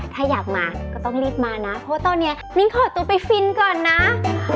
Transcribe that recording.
ถ้าอยากมาก็ต้องรีบมานะเพราะว่าตอนนี้มิ้นขอตัวไปฟินก่อนนะ